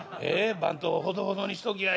番頭ほどほどにしときや。